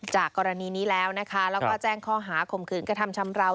จากกรณีนี้แล้วนะคะแล้วก็แจ้งข้อหาข่มขืนกระทำชำราว